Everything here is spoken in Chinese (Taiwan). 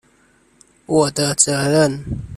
我的責任